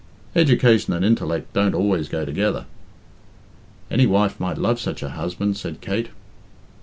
"Education and intellect don't always go together." "Any wife might love such a husband," said Kate.